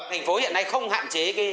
hành phố hiện nay không hạn chế